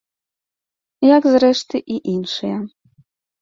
Як, зрэшты, і іншыя.